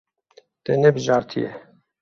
Te nebijartiye.